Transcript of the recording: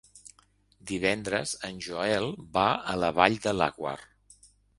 Divendres en Joel va a la Vall de Laguar.